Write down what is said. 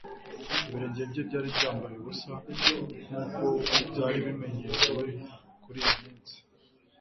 ibirenge bye byari byambaye ubusa, nk'uko byari bimenyerewe muri iyo minsi